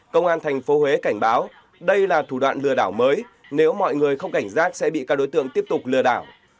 công an tp huế cảnh báo đây là thủ đoạn lừa đảo mới nếu mọi người không cảnh giác sẽ bị các đối tượng tiếp tục lừa đảo